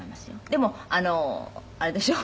でもあれでしょ？